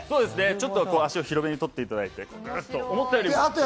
ちょっと足を広めに取っていただいて、ぐっと。